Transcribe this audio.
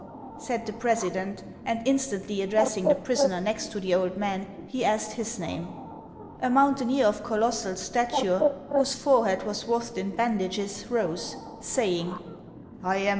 said the president ; and instantly addressing the prisoner next to the old man, he asked his name. A mountaineer of colossal stature, whose forehead was swathed in bandages, rose, saying, " I am Hans, from Klip stadur, in Iceland."